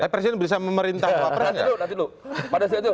presiden bisa memerintah wapres